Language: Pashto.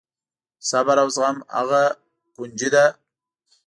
صبر او زغم هغه کونجي ده.